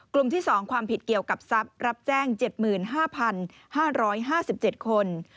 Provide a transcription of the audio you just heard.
กลุ่มที่๒ความผิดเกี่ยวกับทรัพย์รับแจ้ง๗๕๕๗คน